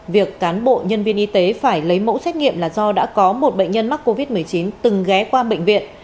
việc cán bộ nhân viên y tế phải lấy mẫu xét nghiệm là do đã có một bệnh nhân mắc covid một mươi chín từng ghé qua bệnh viện